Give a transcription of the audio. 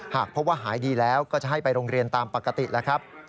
หากพบว่าหายดีแล้วก็จะให้ไปโรงเรียนตามปกติแล้วครับ